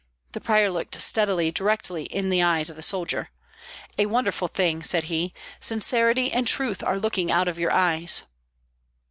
The prior looked steadily, directly in the eyes of the soldier. "A wonderful thing!" said he; "sincerity and truth are looking out of your eyes."